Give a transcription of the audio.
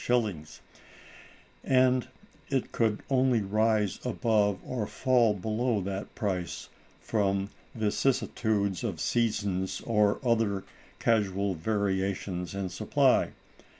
_; and it could only rise above or fall below that price from vicissitudes of seasons, or other casual variations in supply.